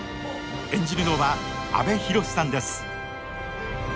演じるのは阿部寛さんです。